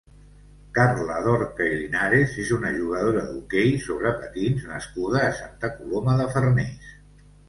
Carla Dorca i Linares és una jugadora d'hoquei sobre patins nascuda a Santa Coloma de Farners.